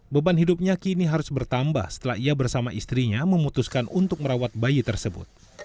beban hidupnya kini harus bertambah setelah ia bersama istrinya memutuskan untuk merawat bayi tersebut